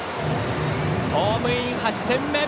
ホームイン、８点目！